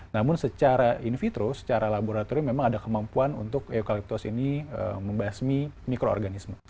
namun secara in vitro secara laboratorium memang ada kemampuan untuk eukaliptos ini membasmi mikroorganisme